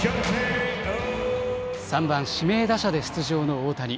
３番・指名打者で出場の大谷。